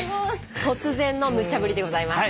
突然のむちゃ振りでございます。